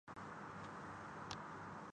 کے درمیان تکرار کی خبریں گردش کرتی ہیں